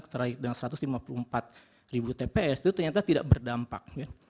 terkait dengan satu ratus lima puluh empat ribu tps itu ternyata tidak berdampak